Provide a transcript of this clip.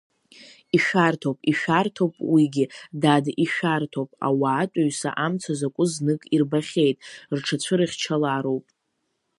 Ишәарҭоуп, ишәарҭоуп уигьы, дад, ишәарҭоуп, ауаатәыҩса амца закәу знык ирбахьеит, рҽацәырхьчалароуп.